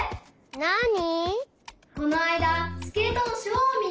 なに？